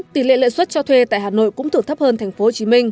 tỷ lệ lợi xuất cho thuê tại hà nội cũng thường thấp hơn tp hcm